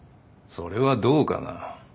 それはどうかな？